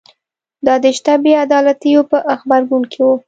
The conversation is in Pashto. دا د شته بې عدالتیو په غبرګون کې و